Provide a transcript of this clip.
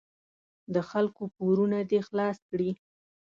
د خلکو پورونه دې خلاص کړي.